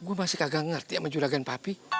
gue masih kagak ngerti sama juragan papi